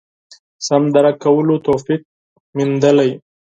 سم درک کولو توفیق موندلي.